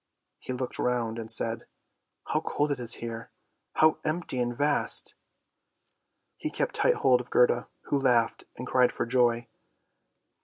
" He looked round and said, " How cold it is here; how empty and vast! " He kept tight hold of Gerda, who laughed and cried for joy.